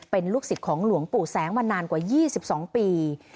เป็นลูกศิษย์ของหลวงปู่แสงมานานกว่า๒๒ปี